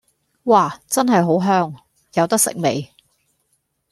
嘩！真係好香，有得食未